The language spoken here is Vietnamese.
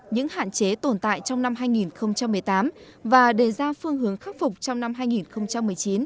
những hạn chế tồn tại trong năm hai nghìn một mươi tám và đề ra phương hướng khắc phục trong năm hai nghìn một mươi chín